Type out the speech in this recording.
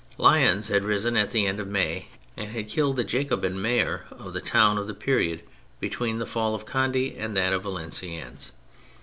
Lyons had risen at the end of May and had killed the Jacobin mayor of the town in the period between the fall of Cond6 and that of Valenciennes.